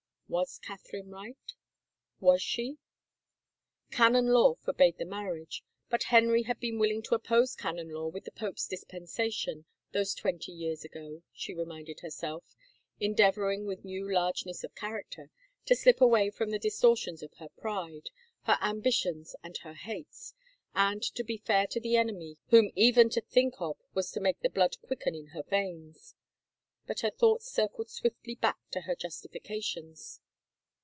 Was Catherine right? Was she? Canon law forbade the marriage — but Henry had been willing to oppose canon law with a pope's dispensation, those twenty years ago, she reminded herself, endeavor ing, with new largeness of character, to slip away from the distortions of her pride, her ambitions and her hates, and to be fair to the enemy whom even to think of was 191 THE FAVOR OF KINGS to make the blood quicken in her veins. But her thoughts circled swiftly back to her justifications.